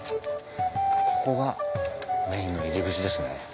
ここがメインの入り口ですね。